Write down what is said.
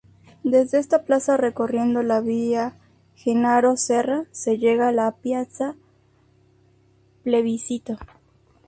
Desde esta plaza, recorriendo la Via Gennaro Serra, se llega a la Piazza Plebiscito.